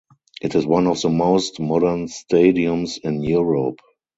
It is one of the most modern stadiums in Europe.